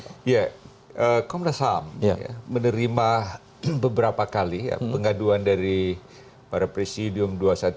iya komnas ham menerima beberapa kali ya pengaduan dari para presidium dua ratus dua belas